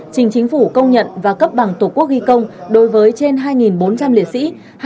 trình chính phủ công nhận và cấp bằng tổ quốc ghi công đối với trên hai bốn trăm linh liệt sĩ